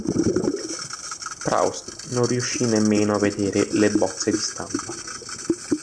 Proust non riuscì nemmeno a vedere le bozze di stampa.